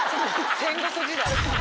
戦国時代。